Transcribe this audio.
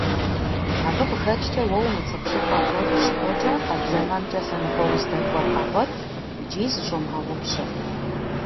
Абы къыхэкӀкӀэ уэ умыцӀыху щӀыпӀэ гуэр ущыкӀуэкӀэ къэблэмэмкӀэ лъэныкъуэ уздэкӀуэр къэгъуэт икӀи зыщумыгъэгъупщэ.